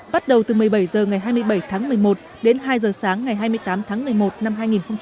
bắt đầu từ một mươi bảy h ngày hai mươi bảy tháng một mươi một đến hai h sáng ngày hai mươi tám tháng một mươi một năm hai nghìn một mươi chín